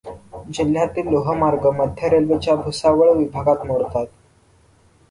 जिल्ह्यातील लोहमार्ग मध्य रेल्वेच्या भुसावळ विभागात मोडतात.